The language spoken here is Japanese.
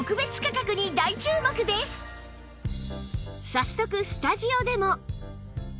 早速スタジオでも